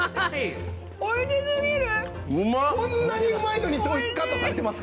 こんなにうまいのに糖質カットされてますからね。